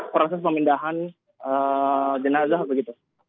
proses pemindahan jenazah begitu